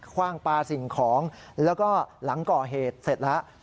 ว่างปลาสิ่งของแล้วก็หลังก่อเหตุเสร็จแล้ว